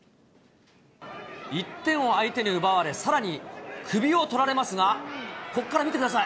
１点を相手に奪われ、さらに首を取られますが、ここから見てください。